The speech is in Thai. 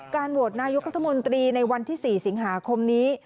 โหวตนายกรัฐมนตรีในวันที่๔สิงหาคมนี้